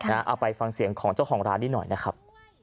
เอาไปฟังเสียงของเจ้าของร้านนี้หน่อยนะครับ